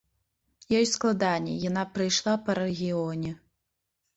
Ёй складаней, яна прайшла па рэгіёне.